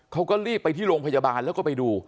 เขาก็รีบไปที่โรงพยาบาลแล้วก็ไปดู